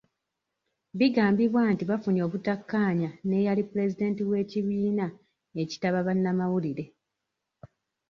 Bigambibwa nti bafunye obutakkaanya n'eyali Pulezidenti w'ekibiina ekitaba bannamawulire.